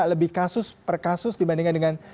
lebih kasus per kasus dibandingkan dengan